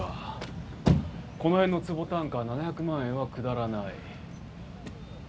この辺の坪単価は７００万円はくだらない。